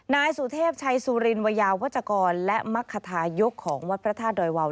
นายสุเทพชัยสุรินวยาวัชกรและมรรคทายกของวัดพระธาตุดอยวาว